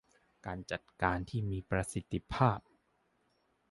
การจัดการที่มีประสิทธิภาพ